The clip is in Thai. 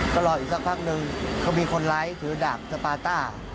ก็รออีกสักพักนึงเขามีคนร้ายถือดาบสปาต้า